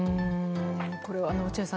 これは落合さん